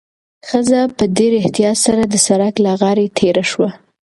ښځه په ډېر احتیاط سره د سړک له غاړې تېره شوه.